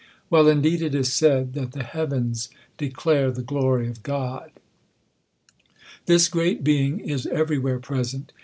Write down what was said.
Well indeed is it said, I that the heavens declare the glory of God. This great Being is every where present.